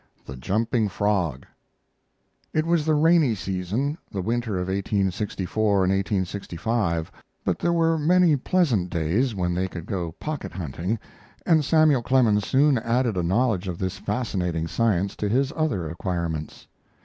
THE JUMPING FROG It was the rainy season, the winter of 1864 and 1865, but there were many pleasant days, when they could go pocket hunting, and Samuel Clemens soon added a knowledge of this fascinating science to his other acquirements.